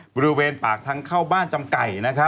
บริเวณปากทางเข้าบ้านจำไก่